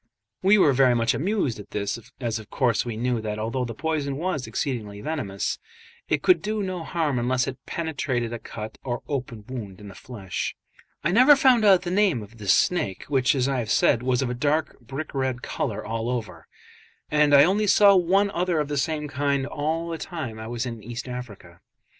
We were very much amused at this, as of course we knew that although the poison was exceedingly venomous, it could do no harm unless it penetrated a cut or open wound in the flesh. I never found out the name of this snake, which, as I have said, was of a dark brick red colour all over; and I only saw one other of the same kind all the time I was in East Africa.